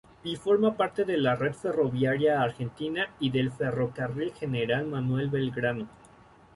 Y forma parte de la red ferroviaria argentina, y del Ferrocarril General Manuel Belgrano.